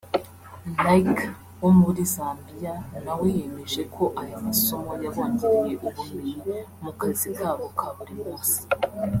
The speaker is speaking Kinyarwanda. Like wo muri Zambiya nawe yemeje ko aya masomo yabongereye ubumenyi mu kazi kabo ka buri munsi